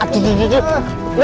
aduh tuh tuh tuh